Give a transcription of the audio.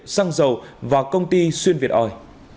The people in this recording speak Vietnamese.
xăng dầu và công ty xuyên việt òi